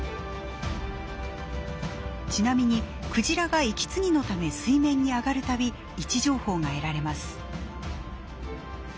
ちなみにクジラが息継ぎのため水面に上がるたび位置情報が得られます。